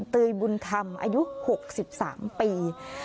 เตยบุญธรรมอายุ๖๓ปี